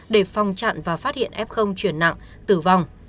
để phòng chặn và phát hiện f chuyển nặng tử vong